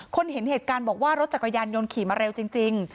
เห็นเหตุการณ์บอกว่ารถจักรยานยนต์ขี่มาเร็วจริง